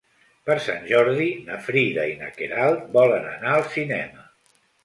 Per Sant Jordi na Frida i na Queralt volen anar al cinema.